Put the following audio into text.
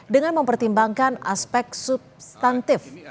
dengan mempertimbangkan aspek substantif